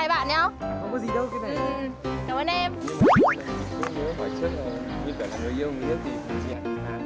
giận nó sau